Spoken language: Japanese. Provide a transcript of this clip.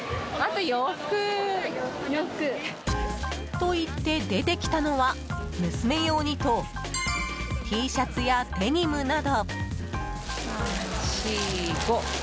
と言って出てきたのは娘用にとＴシャツやデニムなど。